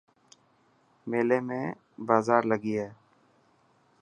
ميلي ۾ بازار لگي هي.